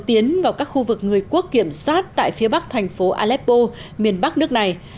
tiến vào các khu vực người quốc kiểm soát tại phía bắc thành phố aleppo miền bắc nước này